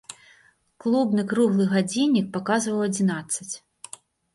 Клубны круглы гадзіннік паказваў адзінаццаць.